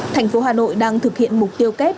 thành phố hà nội đang thực hiện mục tiêu